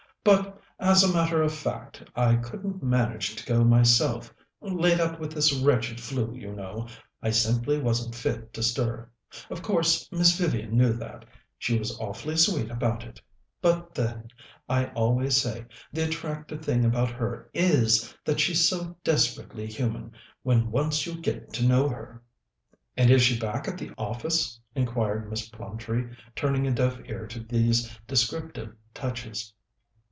"But, as a matter of fact, I couldn't manage to go myself laid up with this wretched flu, you know. I simply wasn't fit to stir. Of course, Miss Vivian knew that; she was awfully sweet about it. But, then, I always say, the attractive thing about her is that she's so desperately human, when once you get to know her." "And is she back at the office?" inquired Miss Plumtree, turning a deaf ear to these descriptive touches.